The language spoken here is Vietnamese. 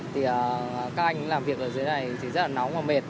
thì các anh làm việc ở dưới này thì rất là nóng và mệt